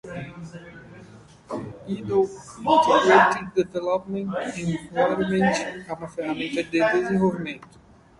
IDE (Integrated Development Environment) é uma ferramenta de desenvolvimento.